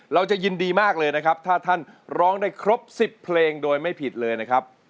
เราจะยินดีมากเลยนะครับถ้าท่านร้องได้ครบ๑๐เพลงโดยไม่ผิดเลยนะครับ